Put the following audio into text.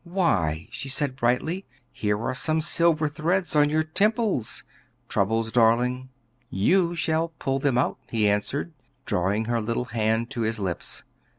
"Why," she said brightly, "here are some silvery threads on your temples. Troubles, darling?" "You shall pull them out," he answered, drawing her little hand to his lips.